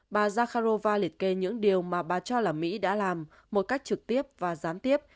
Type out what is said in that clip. bà zakharova liệt kê những điều mà bà cho là mỹ đã làm một cách trực tiếp và gián tiếp